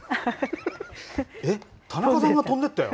えっ、田中さんが飛んでいったよ。